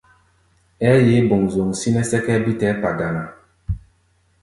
Ɛ́ɛ́ yeé boŋzoŋ sínɛ́ sɛ́kʼɛ́ɛ́ bé tɛɛ́ kpa dana.